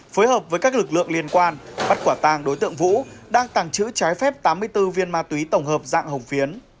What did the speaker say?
phối hợp với các lực lượng liên quan bắt quả tàng đối tượng vũ đang tàng trữ trái phép tám mươi bốn viên ma túy tổng hợp dạng hồng phiến